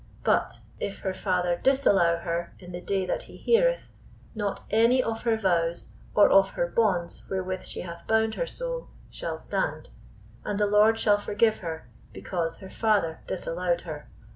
"But if her father disallow her in the day that he heareth; not any of her vows, or of her bonds wherewith she hath bound her soul, shall stand: and the Lord shall forgive her, because her father disallowed her."